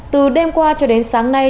từ đêm qua cho đến sáng nay